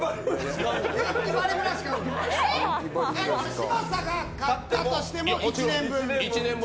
嶋佐が買ったとしても１年分？